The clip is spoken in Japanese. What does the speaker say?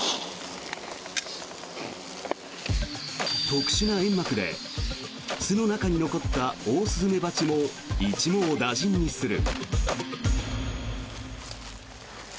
特殊な煙幕で巣の中に残ったオオスズメバチも一網打尽にする。